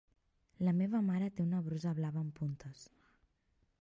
La meva mare té una brusa blava amb puntes.